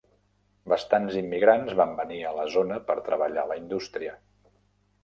Bastants immigrants van venir a la zona per treballar a la indústria.